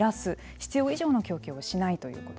必要以上の供給をしないということ。